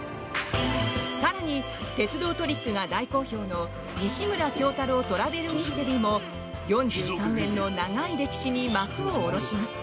更に、鉄道トリックが大好評の「西村京太郎トラベルミステリー」も４３年の長い歴史に幕を下ろします。